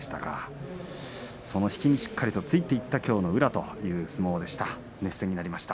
その引きにしっかりとついていったきょうの宇良という相撲でした。